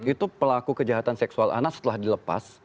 itu pelaku kejahatan seksual anak setelah dilepas